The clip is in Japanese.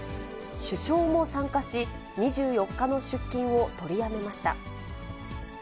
首相も参加し、２４日の出勤を取りやめました。